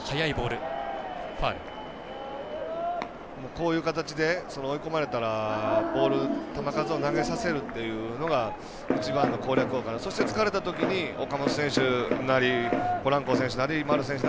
こういう形で追い込まれたらボール、球数を投げさせるというのが一番の攻略法で疲れたときに、岡本選手なりポランコ選手